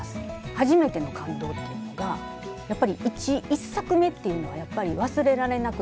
はじめての感動というのがやっぱり１作目っていうのはやっぱり忘れられなくなると思うので。